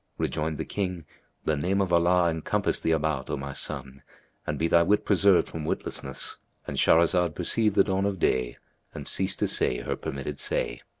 Rejoined the King, "The name of Allah encompass thee about, O my son, and be thy wit preserved from witlessness!"—And Shahrazad perceived the dawn of day and ceased to say her permitted say.